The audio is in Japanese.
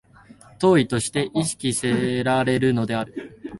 当為として意識せられるのである。